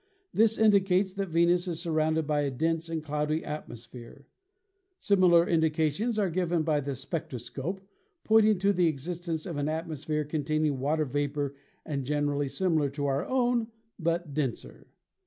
This indicates that Venus is surrounded by a dense and cloudy atmosphere. Similar indications are given by the spectroscope, pointing to the existence of an atmosphere containing water vapor and generally similar to our own, but denser.